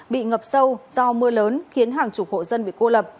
bị ngập sâu do mưa lớn khiến hàng chục hộ dân bị cô lập